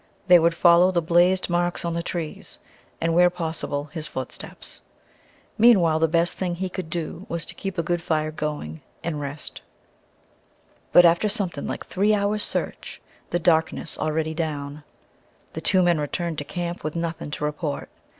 They would follow the blazed marks on the trees, and where possible, his footsteps. Meanwhile the best thing he could do was to keep a good fire going, and rest. But after something like three hours' search, the darkness already down, the two men returned to camp with nothing to report.